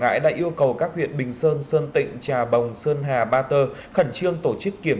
ngãi đã yêu cầu các huyện bình sơn sơn tịnh trà bồng sơn hà ba tơ khẩn trương tổ chức kiểm